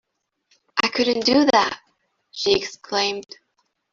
"I couldn't do that," she exclaimed.